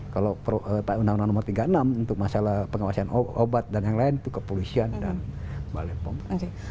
kalau undang undang nomor tiga puluh enam untuk masalah pengawasan obat dan yang lain itu kepolisian dan balai pom